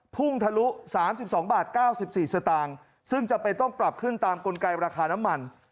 ทะลุ๓๒บาท๙๔สตางค์ซึ่งจำเป็นต้องปรับขึ้นตามกลไกราคาน้ำมัน